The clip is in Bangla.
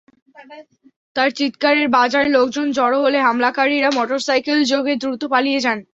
তাঁর চিৎকারের বাজারের লোকজন জড়ো হলে হামলাকারীরা মোটরসাইকেলযোগে দ্রুত পালিয়ে যান।